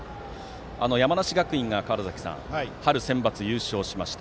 山梨学院が春センバツで優勝しました。